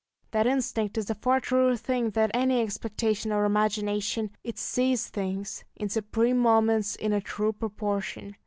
That instinct is a far truer thing than any expectation or imagination. It sees things, in supreme moments, in a true proportion.